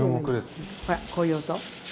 ほらこういう音。